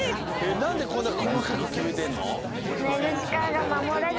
なんでこんなこまかくきめてんの？